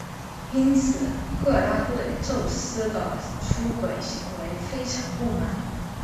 因此赫拉对宙斯的出轨行为非常不满。